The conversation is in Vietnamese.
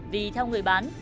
vì theo người bán